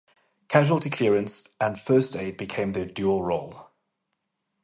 Casualty clearance and first aid became their dual roll.